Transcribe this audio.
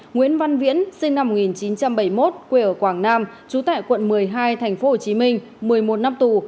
nguyễn văn viễn sinh năm một nghìn chín trăm bảy mươi một quê ở quảng nam trú tại quận một mươi hai tp hcm một mươi một năm tù